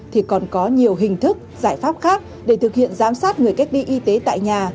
thì còn có nhiều hình thức giải pháp khác để thực hiện giám sát người cách ly y tế tại nhà